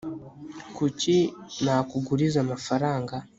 kuki nakuguriza amafaranga